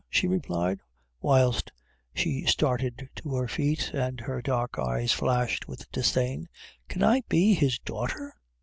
she replied, whilst she started to her feet, and her dark eyes flashed with disdain: "Can I be his daughter?"